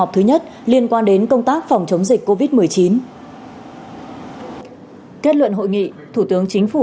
tháng ba mươi một liên quan đến công tác phòng chống dịch covid một mươi chín kết luận hội nghị thủ tướng chính phủ